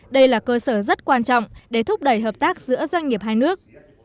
đây là cơ sở rất quan trọng để thúc đẩy hợp tác giữa doanh nghiệp hai nước